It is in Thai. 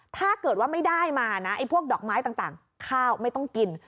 ถ้าเกิดว่าไม่ได้มานะไอ้พวกดอกไม้ต่างข้าวไม่ต้องกิน